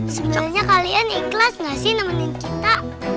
sebenarnya kalian ikhlas gak sih nemenin kita